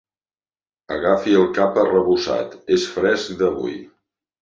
Agafi el cap arrebossat, és fresc d'avui.